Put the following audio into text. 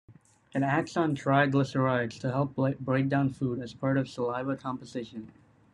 It acts on tryglicerides to help breakdown food as a part of saliva composition.